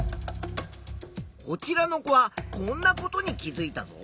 こちらの子はこんなことに気づいたぞ。